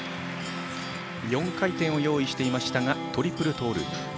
４回転を用意していましたがトリプルトーループ。